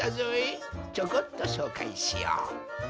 ちょこっとしょうかいしよう。